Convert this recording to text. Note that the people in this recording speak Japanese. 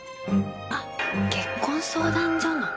あっ結婚相談所の。